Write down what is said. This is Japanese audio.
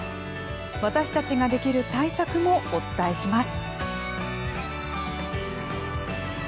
私たちができる対策もお伝えします。